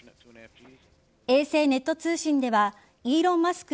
衛星ネット通信ではイーロン・マスク